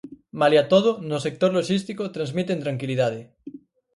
Malia todo, no sector loxístico transmiten tranquilidade.